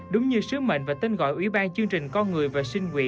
đúng như sứ mệnh và tên gọi ủy ban chương trình con người và sinh quyền